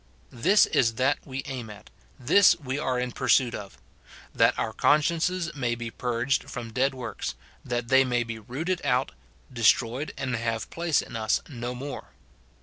This is that we aim at, this we are in pursuit of, — that our cou 26 302 MORTIFICATION OF sciences may be purged from dead works, that they may be rooted out, destroyed, and have place in us no more.